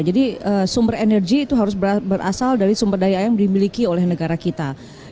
jadi sumber energi itu harus berasal dari sumber daya alam yang dibiliki oleh negara kita